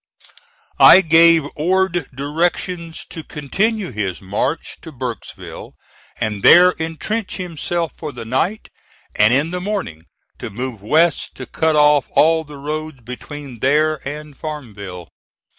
I gave Ord directions to continue his march to Burkesville and there intrench himself for the night, and in the morning to move west to cut off all the roads between there and Farmville.